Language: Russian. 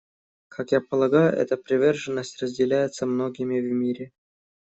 Как я полагаю, эта приверженность разделяется многими в мире.